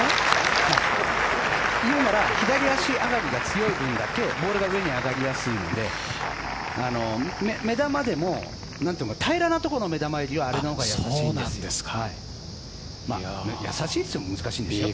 今のは左足上がりが強い分だけボールが上に上がりやすいので目玉でも平らなところの目玉よりはあれのほうがやさしいんですよ。